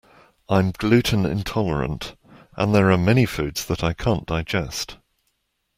I'm gluten intolerant, and there are many foods that I can't digest.